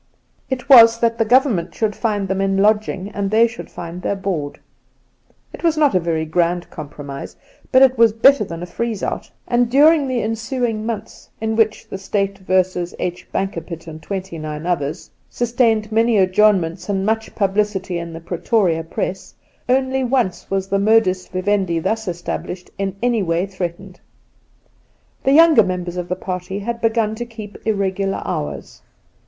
It was that the Government shouldnfi^d them in lodging and they should find their board. It was not a very grand compromise, but it was better than a freeze out, and during the ensuing 78 Induna Nairn months in which ' The State v. H. Bankerpitt and Twenty nine Others ' sustained many adjournments and much publicity in the Pretoria press, only once was the modus vivendi thus established in any way threatened. The younger members of the party had begun to keep irregular hours.